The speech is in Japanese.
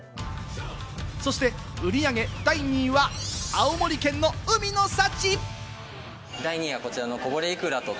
そして売り上げ第２位は、青森県の海の幸！